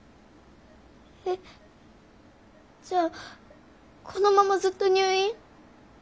えっじゃあこのままずっと入院？